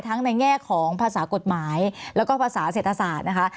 ในแง่ของภาษากฎหมายแล้วก็ภาษาเศรษฐศาสตร์นะคะ